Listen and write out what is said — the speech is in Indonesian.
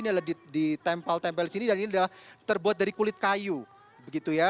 ini adalah ditempel tempel di sini dan ini adalah terbuat dari kulit kayu begitu ya